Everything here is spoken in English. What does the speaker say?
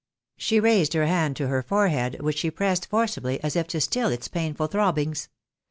She raised her hand to her forehead, which she pressed forcibly, as if to stni its painful throbbings.